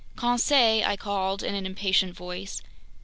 "Conseil!" I called in an impatient voice.